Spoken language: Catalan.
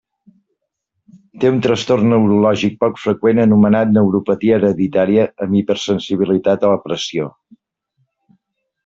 Té un trastorn neurològic poc freqüent anomenat neuropatia hereditària amb hipersensibilitat a la pressió.